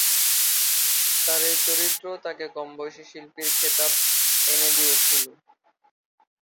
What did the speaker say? তার এই চরিত্র তাকে কম বয়সী শিল্পীর খেতাব এনে দিয়েছিল।